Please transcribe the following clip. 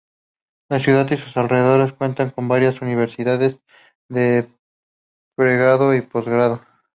La ciudad y sus alrededores cuentan con varias universidades de pregrado y postgrado.